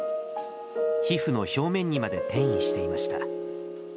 皮膚の表面にまで転移していました。